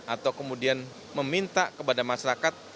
atau kemudian meminta kepada masyarakat